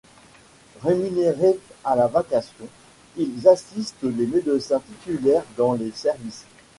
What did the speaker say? Rémunérés à la vacation, ils assistent les médecins titulaires dans les services.